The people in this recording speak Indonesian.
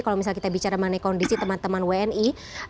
kalau misalnya kita bicara mengenai kondisi teman teman wni